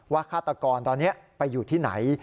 ฆาตกรตอนนี้ไปอยู่ที่ไหน